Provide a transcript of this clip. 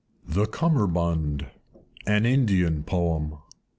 THE CUMMERBUND. An Indian Poem.